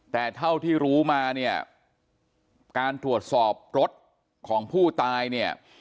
แต่เท่าที่รู้มาเนี่ยการตรวจสอบรถของผู้ตายเนี่ย